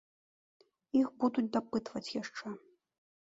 Іх будуць дапытваць яшчэ.